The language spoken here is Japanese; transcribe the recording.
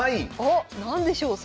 おっ何でしょう？